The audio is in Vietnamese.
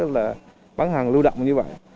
là bán hàng lưu động như vậy